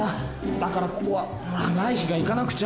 だからここは来緋がいかなくちゃ。